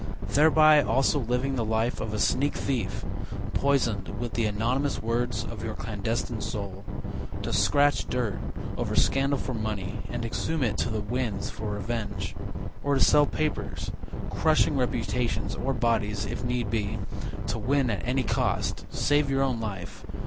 Thereby also living the life of a sneak thief, Poisoned with the anonymous words Of your clandestine soul. To scratch dirt over scandal for money, And exhume it to the winds for revenge, Or to sell papers, Crushing reputations, or bodies, if need be, To win at any cost, save your own life.